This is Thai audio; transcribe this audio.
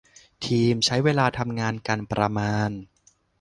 ทีมใช้เวลาทำงานกันประมาณ